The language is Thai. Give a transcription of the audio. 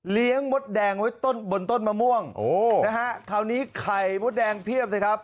เลี้ยงมดแดงไว้บนต้นมะม่วงคราวนี้ไข่มดแดงเพียบสิครับ